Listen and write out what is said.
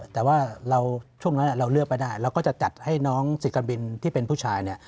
แต่ว่าช่วงนั้นเราเลือกไม่ได้เราก็จะจัดให้น้องสิการบินที่เป็นผู้ชายเนี่ย